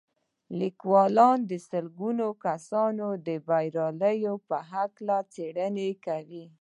لیکوال د سلګونه کسانو د بریاوو په هکله څېړنې کړي